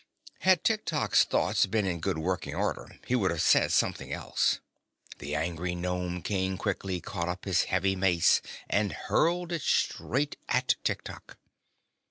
Had Tiktok's thoughts been in good working order he would have said something else. The angry Nome King quickly caught up his heavy mace and hurled it straight at Tiktok.